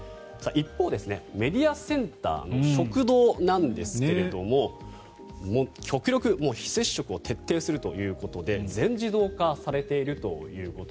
一方、メディアセンターの食堂なんですが極力、非接触を徹底するということで全自動化されていると。